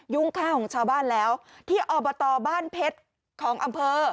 ข้าวของชาวบ้านแล้วที่อบตบ้านเพชรของอำเภอ